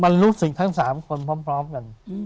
มันรู้สึกทั้ง๓คนพร้อมกัน